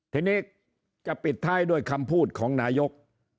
ทีนี้จะปิดท้ายด้วยคำพูดของนายก